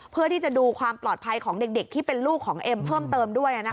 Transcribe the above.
เพื่อที่จะดูความปลอดภัยของเด็กที่เป็นลูกของเอ็มเพิ่มเติมด้วย